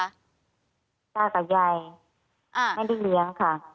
ตากับยายไม่ได้เลี้ยงค่ะ